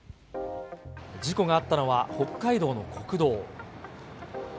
事故があったのは、北海道の国道。